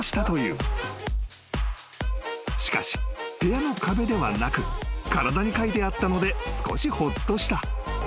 ［しかし部屋の壁ではなく体に描いてあったので少しほっとした］